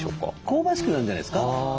香ばしくなるんじゃないですか。